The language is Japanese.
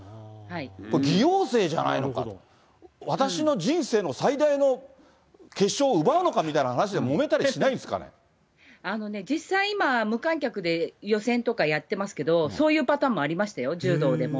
これ、偽陽性じゃないのか、私の人生の最大の決勝を奪うのかみたいな話でもめたりしないんで実際、今、無観客で予選とかやってますけど、そういうパターンもありましたよ、柔道でも。